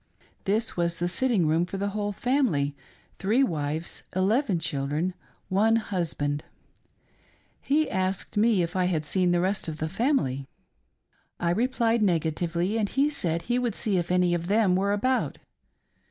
This was the sitting room for the whole family — three wives, eleven children, one husband. He asked me if I had seen the rest of the family. 262 THE FATHER OF THE LITTLE FAMILY. I replied negatively, and he said he would see if any of them were about.